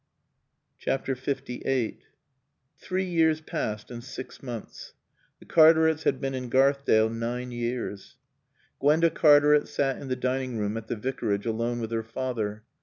LVIII Three years passed and six months. The Cartarets had been in Garthdale nine years. Gwenda Cartaret sat in the dining room at the Vicarage alone with her father.